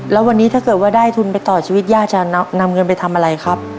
แล้ววันนี้ถ้าเกิดว่าได้ทุนไปต่อชีวิตย่าจะนำเงินไปทำอะไรครับ